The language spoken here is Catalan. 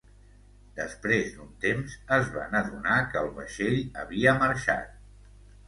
Després d'un temps es van adonar que el vaixell havia marxat.